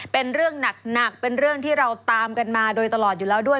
เป็นเรื่องหนักเป็นเรื่องที่เราตามกันมาโดยตลอดอยู่แล้วด้วย